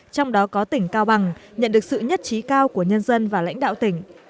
trong đó có tỉnh cao bằng nhận được sự nhất trí cao của nhân dân và lãnh đạo tỉnh